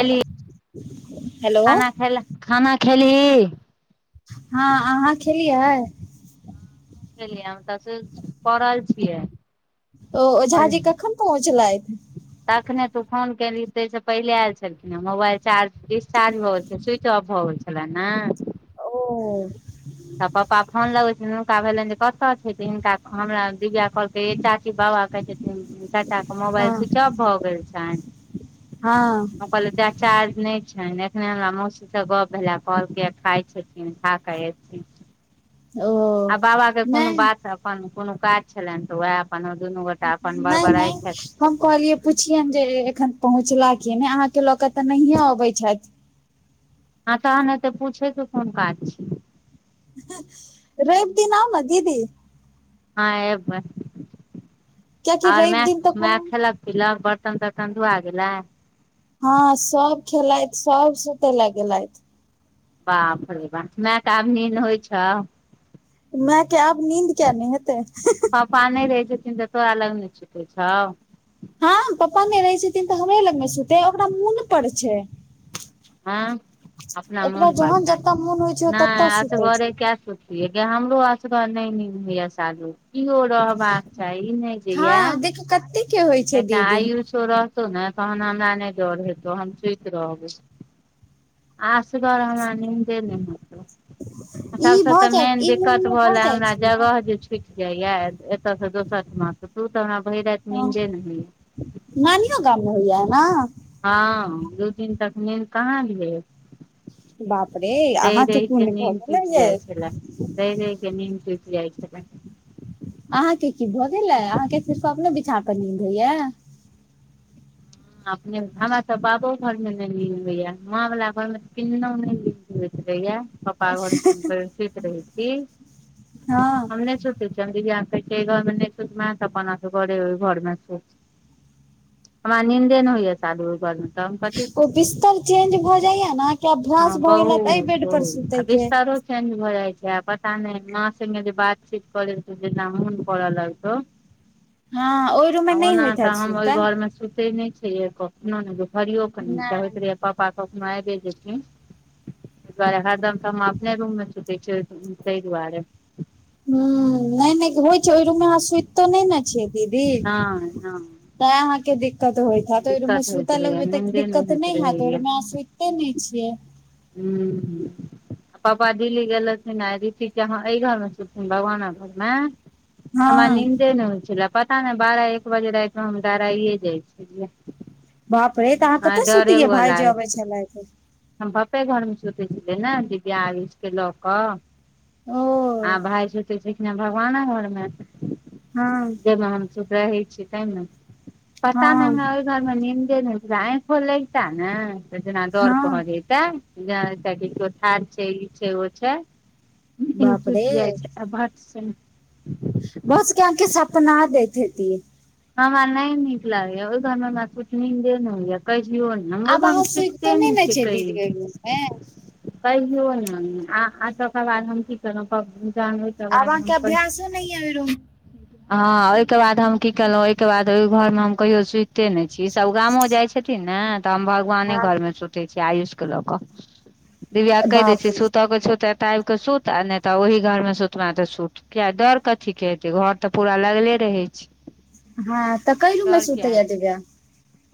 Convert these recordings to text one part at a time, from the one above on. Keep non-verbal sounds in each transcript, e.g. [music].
अल hello खाना खेलह हँ अहाँ खेलिय लियै हम तऽ से पढ़ल छिय ओ ओ झाजी कखन पहुँचलथि तखने तू फोन के ते से पहिले आल छलिन हे मोबाइल चार्ज डिस्चार्ज भ गे स्विच ऑफ भ गेल छल न ओ तऽ पपा फोन लगैत छै हुनका भेलनि जे कतय छै तऽ हिनका हमरा दिवआ कहलकै ह चाची बाबा कहैत छै चाचा के हँ मोबाइल स्वच ऑफ भ गेल छनि हँ ओ कहल चारज नहि छनि एखने हमरा मौसीसँ गप भेले पल के खााय छथिन ठीक ओ आ बाबा के कोनो नहि बात अपन कोनो काज छलनि तऽ वए अपन दुनू गोटा अपन नहि बड़बड़इत नहि छथ हम कहलियै पूछियनि जे एखन पहुँचला क नहि अहाँ के लऽ के तऽ नहिये अबै छथि हँ तहन एते पूछेके कोन काज छिय रैव दिन आओ ने दीद हँ एबै कियाकि आर रवि दिन तऽ मैय कोनो खेलक पीलक ब त तन तकन्दू आग गेल [unintelligible] हँ सब खेलथि सब सुते ल गेलेलथ बापरे बा मएऽ के आभ निन होइ छौ माय के आब नींद किया नहि हेत पापा अर नऽ रहै छथिन तऽ तोरा लग नहि सुते छौ हँ पप्पा मे रहे छथिन तऽ हमरे लग मे सुते ओकरा मन पर छ हँ अपना ओकरा मोन प जहन जतऽ मोन होइ छै ओ ततऽ नहि आस सुते छै घरे क स हमरो असगर नै नींद होइया सालू कियो रहबाक चाही ई नै हँ देखू काते एकटा आयुसो रहतौ ने तहन हमरा नहि डर हेतौ हम सुति रहब आसगर हमरा निंदे नऽ ओहेत रहत ई सबसे भऽ तऽ जाइ मेन ई मोन दिक्कत मे भऽ भऽले जाइ हमरा छै ने जगह जे छ उथ के जाया एतय से दोसर ठिना तू तऽ हमरा भैर रात हँ निंदे न होइय नानियो गाम मेंहोइय है न हँ दू तीन तक नीन्द कहाँ ल बाप रे रहि अहाँके रहि कोन के भऽ निंद गेलै तुट ये जाइ छै दैरैके निंड टुत आइ छल अहाँ के की भऽ गेलै अहाँके सिर्फ अपनो बिछा पर नीद होइय अपने हमरा त बाबो घरमे नहि नीक होइया वला घरमे त किन्न नहि न होैत रहैय पप्पा घर में ते हम सुत रहै छी हँ हमने स घरमे त अपन घ घरम हमरा नींन्देन होइए सााद उ घर म ओ बिस्तर चेंज भऽ जाइया ने कि हँ अभ्यास भऽ गेला त एहि बहुत बेड पर बहुत आ सुते के ह बिस्तारो चेंज भऽ जाइ छै पता नहि न से जे बातचीत कर जे मन प लगत हं ओना तऽ हम ओहि सुतल घर मे सुते नहि छिय न नहि भरियो के नहि होइत रह पापा कखनो आबे ज दुआर हरदम तऽ हम अपने रूम मे सुते छिय तहि दुआर ह नहि नहि होइ छै ओहि रूम मे अहाँ सुति तो नहि ने छियै दीद नहि नहि तै अहाँके दिक्कत होइत हैत तो रूममे दिक्कत होइत सुता रहैया लगबे त नीन्दे दिक्कत होइत नहि रहैया हयै केने छिय हूँ पापा दिल्ली गेल रहथिन आ री केाँ एहि घर मे सुथिन भगवाना घरम हमरा हँ नीन्दे नहि होइ छलै पता नहि बारह एक बजे रातिमे हम गराइए जाइ छलिय बाप रे तऽ अहाँ कतऽ सुतियै भााय जे लागै अबै छै छलथ हम पापे घर मे सुते छलै ने दिद्यि के लऽ क ओ आ भाय छते छथिखिन भगवाने घरमें हं रहै छि हम ते ना पता हँ नै हमर घर मे नींन्देरा आँखो लगता ने जेना दौड हँ तो ार छै ई छै ओ छ बाप टुटि रे जाइ छै आ बात सह बहुतके अंके सपना देत हेत हरा नहि नीक लागै ओ घरमे कूटनी दे न होै कै य कहै छ न म ग हम सुटते न छै कहीय हं कहयो नै आ तकर बाद हम की करब जान आबके अभ्यस ह नहि अरू हँ ओहिके बाद हम की केलहुँं ओहिके बाद ओहि घरमे हम कहियो सुते नहि छी सभ गामो जाइत छ छथिन ने तऽ हम भगवाने हँ घरमे सुतै छीयै आयुष के लऽ क दिव्या कहि दै बाप छ रे सुत क छ टाइप के सूत आ नहि तऽ ओहि घर मे सुतना ते सूत किया डर कथी के हेते घ तऽ पूरा लगले रहै छ हँ तऽ कैलूमे सूतैया दिब्य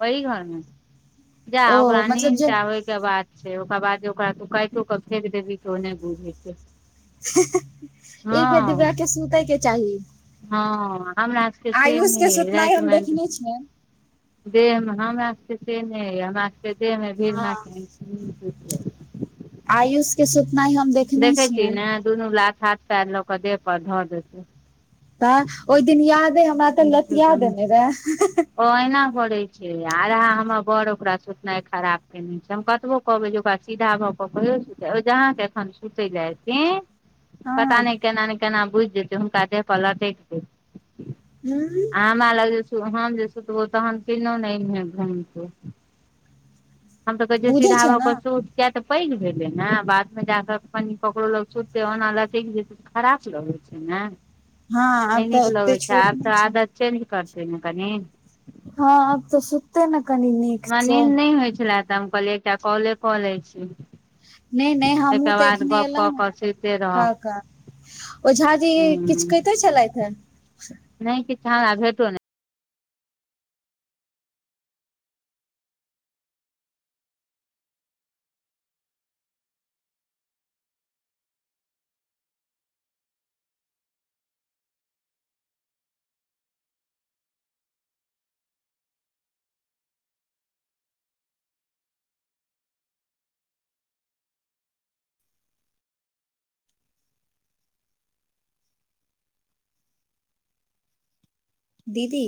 वहि घरमे जा ओ ओकरा मतलब नींड जे त आब के बात छै ओकरा बाद जे ओकरा तू कातो के फेेक देबी ओ नहि बुझे छ एक बेर दिब्या के सुतै के चाह हँ हमराके से के नहि सुतनाइ राटम हम देखने छियनि देह मे हमरा सबके से नहि हमरा सबके देह मे भीड हाँ, आयुष के सुतना ही हम दे देखै छी ने दुनू लाख हाथ पार ल के दे पर धऽ देत तऽ ओहि दिन याद है हमरा तऽ लतिया देने रह ओ एहिना करे छै आरहा हमर बड़ ओकरा सुोतनाइ खराब केने छै हम कतब कहबै जे ओकरा सीधा भऽ कऽ कहियौ सु जहाँके एखन सुते जाय पता हँ नहि केना ने केना बुझि जेतै हुनका देह पर लटकदे हूँ हमरा लग जे हम जे सुतबो तहन किल घुम हम तऽ कह बुझै सीधा छै भा ने का सु किया तऽ पैघ भेलै ने बाद मे जाकऽ कनि ककरो लग सुते ओना लटकि जेत खराब लगैत छै ने हँ आब नहि तऽ नीक ओते लगैत छै छोट आब नहि तऽ छै आद चेंज करतन कन हँ अ तऽ सूते न कनी नी हमरा नींद नहि होइ छले तऽ हम कहलियै एकटा कॉले काल लै छ नहि नहि हमहुँ देखने कऽ एलहु कऽ हैं सुइते रहब ह ओझा जे किछु हूँ कतो चलैथ ह नहि कि च ने भेटू नह दीद